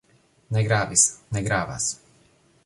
Ne gravis. Ne gravas.